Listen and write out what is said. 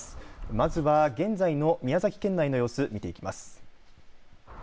まずは、現在の宮崎県内の様子見ていきます。